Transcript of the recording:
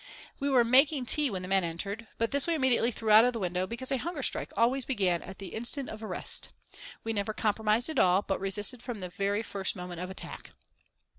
We were making tea when the men entered, but this we immediately threw out of the window, because a hunger strike always began at the instant of arrest. We never compromised at all, but resisted from the very first moment of attack.